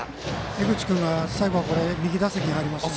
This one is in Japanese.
江口君が最後右打席に入りましたね。